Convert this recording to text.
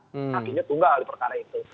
hakimnya tunggal di perkara itu